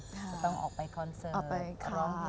จะต้องออกไปคอนเซิร์ตร้องเพลง